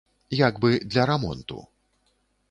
Як бы для рамонту.